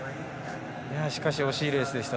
しかし惜しいレースでした。